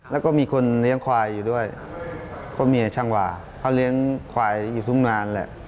แล้วก็มีคนเลี้ยงควายอยู่ด้วยเพราะเมียช่างวาเขาเลี้ยงควายอยู่ทุกงานแหละ